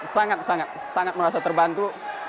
sangat sangat merasa terbantu